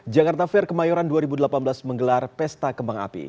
jakarta fair kemayoran dua ribu delapan belas menggelar pesta kembang api